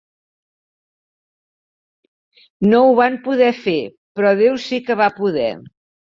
No ho vam poder fer, però Déu sí que va poder.